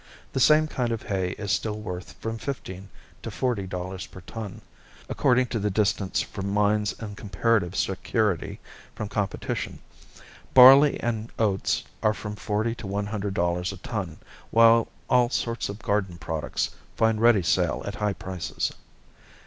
The same kind of hay is still worth from fifteen to forty dollars per ton, according to the distance from mines and comparative security from competition. Barley and oats are from forty to one hundred dollars a ton, while all sorts of garden products find ready sale at high prices.